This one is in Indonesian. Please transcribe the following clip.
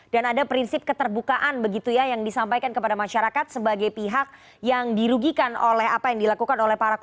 dan ada prinsip keterbukaan begitu ya yang disampaikan kepada masyarakat sebagai pihak yang dirugikan oleh apa yang dilakukan oleh pemerintah